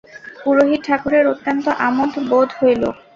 পুরোহিত ঠাকুরের অত্যন্ত আমোদ বোধ হইল।